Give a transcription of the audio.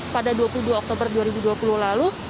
pada dua puluh dua oktober dua ribu dua puluh lalu